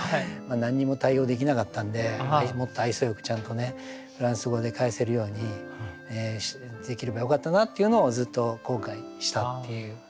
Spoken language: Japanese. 何にも対応できなかったんでもっと愛想よくちゃんとフランス語で返せるようにできればよかったなっていうのをずっと後悔したっていう。